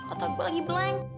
otak gue lagi blank